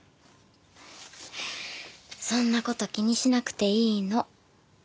そんな事気にしなくていいの。